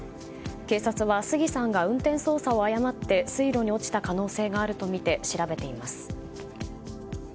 警察は杉さんが運転操作を誤って水路に落ちた可能性があるとみて調べています。